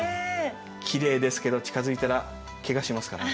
きれいですけど近づいたらけがしますからね。